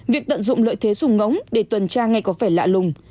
việc tận dụng lợi thế dùng ngỗng để tuần tra ngay có phải lạ lùng